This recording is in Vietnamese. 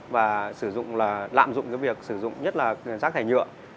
cũng là lạm dụng cái việc sử dụng nhất là rác thải nhựa